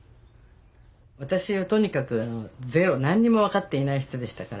私はとにかくゼロ何にも分かっていない人でしたから。